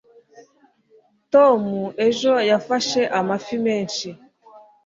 tom ejo yafashe amafi menshi